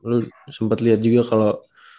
lo sempet liat juga kalau